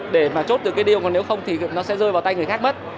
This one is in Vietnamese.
để mà chốt được cái điêu còn nếu không thì nó sẽ rơi vào tay người khác mất